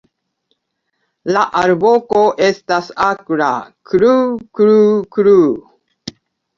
La alvoko estas akra "kluu-kluu-kluu".